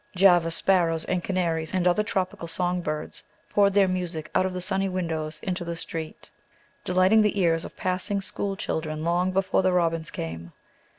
Java sparrows and canaries and other tropical songbirds poured their music out of sunny windows into the street, delighting the ears of passing school children long before the robins came.